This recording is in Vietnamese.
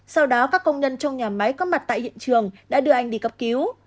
sau đó các công nhân trong nhà máy có mặt tại hiện trường đã đưa anh đi cấp cứu